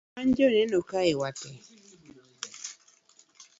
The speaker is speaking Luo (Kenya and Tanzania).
wan joneno kae wate